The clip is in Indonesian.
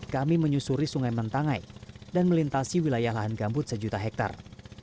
kami menyusuri sungai mentangai dan melintasi wilayah lahan gambut sejuta hektare